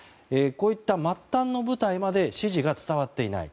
こういった末端の部隊まで指示が伝わっていない。